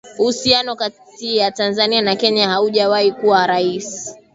Uhusiano kati ya Tanzania na Kenya haujawahi kuwa rahisi